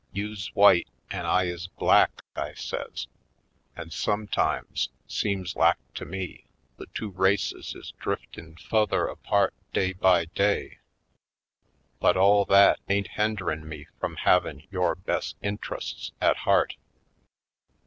You's w'ite an' I is black," I says, "an' sometimes, seems lak to me, the two races is driftin' f u'ther apart Oiled Skids 111 day by day; but all that ain't henderin' me frum havin' yore bes' intrusts at heart.